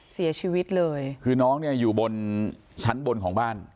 เสียชีวิตเลยคือน้องเนี่ยอยู่บนชั้นบนของบ้าน